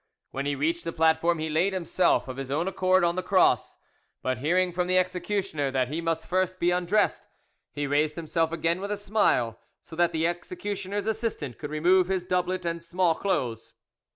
When he reached the platform he laid himself of his own accord on the cross; but hearing from the executioner that he must first be undressed, he raised himself again with a smile, so that the executioner's assistant could remove his doublet and small clothes.